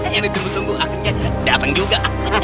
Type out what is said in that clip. ini tunggu tunggu akhirnya datang juga